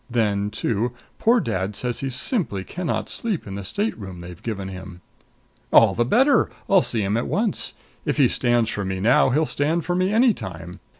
Then, too, poor dad says he simply can not sleep in the stateroom they've given him " "All the better! I'll see him at once. If he stands for me now he'll stand for me any time!